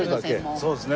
そうですね